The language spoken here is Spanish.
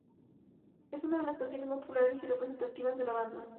Es una de las canciones más populares y representativas de la banda.